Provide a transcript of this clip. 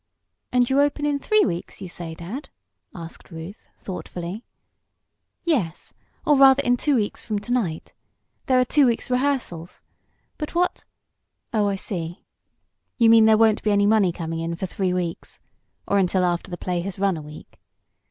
"And you open in three weeks, you say, Dad?" asked Ruth, thoughtfully. "Yes; or, rather, in two weeks from to night. There are two weeks' rehearsals. But what oh, I see. You mean there won't be any money coming in for three weeks or until after the play has run a week.